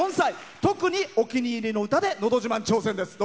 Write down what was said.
特に、お気に入りの歌で「のど自慢」挑戦です。